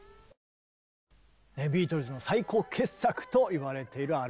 ビートルズの最高傑作といわれているアルバムですね。